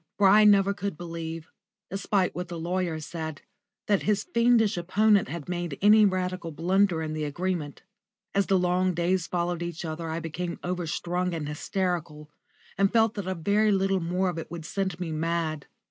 For I never could believe, despite what the lawyers said, that his fiendish opponent had made any radical blunder in the agreement. As the long days followed each other I became overstrung and hysterical, and felt that a very little more of it would send me mad.